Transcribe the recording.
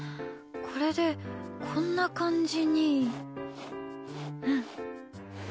これでこんな感じに。